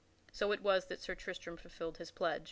So it was that Sir Tristram fulfilled his pledge.